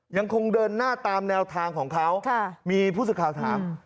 ยังคงเดินหน้าตามแนวทางของเขามีผู้สื่อข่าวถาม